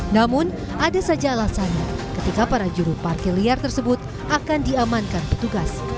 namun ada saja alasannya ketika para juru parkir liar tersebut akan diamankan petugas